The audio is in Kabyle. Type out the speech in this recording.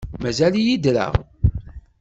Mazal-iyi ddreɣ.